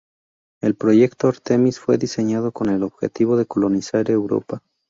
El proyecto Artemis fue diseñado con el objetivo de colonizar Europa.